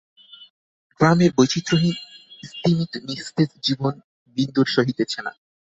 গ্রামের বৈচিত্র্যহীন স্তিমিত নিস্তেজ জীবন বিন্দুর সহিতেছে না।